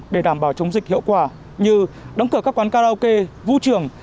để đảm bảo chống dịch hiệu quả như đóng cửa các quán karaoke vũ trường